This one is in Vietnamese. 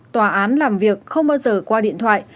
tòa án làm việc không bao giờ qua điện thoại